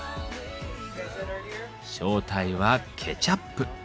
正体はケチャップ。